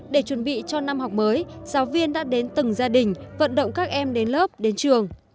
để chuẩn bị cho năm học mới giáo viên đã đến từng gia đình vận động các em đến lớp đến trường